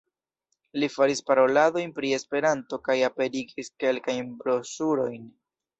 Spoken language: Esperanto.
Li faris paroladojn pri Esperanto kaj aperigis kelkajn broŝurojn.